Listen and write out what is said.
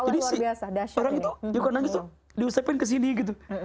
jadi orang itu kalau nangis tuh diusapin ke sini gitu